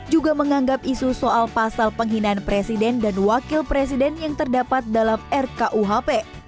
juga menganggap isu soal pasal penghinaan presiden dan wakil presiden yang terdapat dalam rkuhp